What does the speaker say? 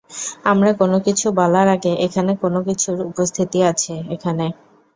আমরা কোনো কিছু বলার আগে, এখানে কোনো কিছুর উপস্থিতি আছে, এখানে।